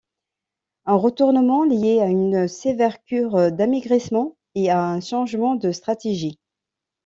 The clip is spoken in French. Un retournement lié à une sévère cure d'amaigrissement et à un changement de stratégie.